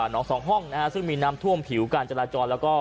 สองห้องนะฮะซึ่งมีน้ำท่วมผิวการจราจรแล้วก็